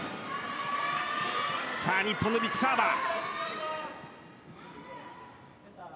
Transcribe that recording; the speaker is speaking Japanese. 日本のビッグサーバー。